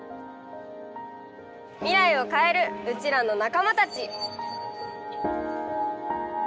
未来を変えるうちらの仲間たち。